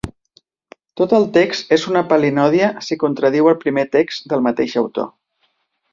Tot el text és una palinòdia si contradiu un primer text del mateix autor.